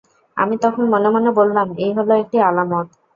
আমি তখন মনে মনে বললাম, এই হল একটি আলামত।